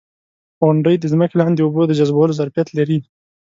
• غونډۍ د ځمکې لاندې اوبو د جذبولو ظرفیت لري.